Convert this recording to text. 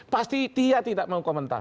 pasti dia tidak mau komentar